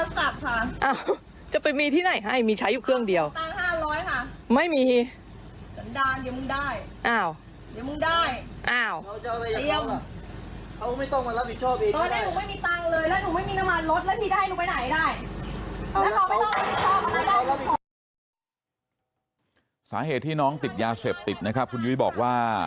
สาเหตุที่น้องติดยาเสพติดนะครับคุณยุ้ยบอกว่า